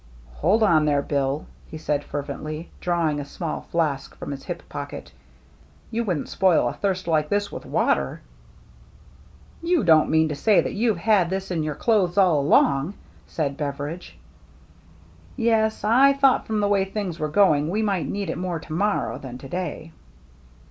"Hold on there. Bill/* he said fervently, drawing a small flask from his hip pocket, "you wouldn't spoil a thirst like this with water ?" "You don't mean to say that you've had this in your clothes all along ?" said Bever idge. " Yes. I thought from the way things were going we might need it more to morrow than to day."